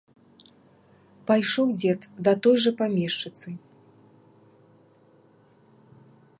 Пайшоў дзед да той жа памешчыцы.